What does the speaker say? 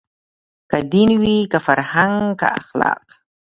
که دین وي که فرهنګ که اخلاق